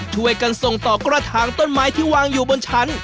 ช่วยกันส่งต่อกระถางต้นไม้ที่วางอยู่บนชั้น